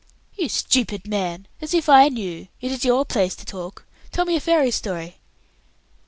"You stupid man! As if I knew! It is your place to talk. Tell me a fairy story."